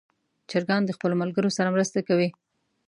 چرګان د خپلو ملګرو سره مرسته کوي.